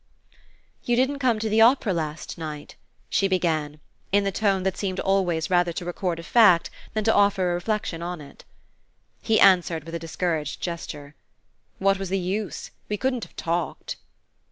"You didn't come to the opera last night," she began, in the tone that seemed always rather to record a fact than to offer a reflection on it. He answered with a discouraged gesture. "What was the use? We couldn't have talked."